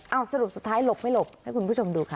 เอาสรุปสุดท้ายหลบไม่หลบให้คุณผู้ชมดูค่ะ